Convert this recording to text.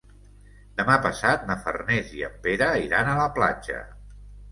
Demà passat na Farners i en Pere iran a la platja.